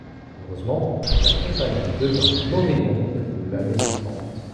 Malheureusement la compagnie devint moribonde l'année suivante.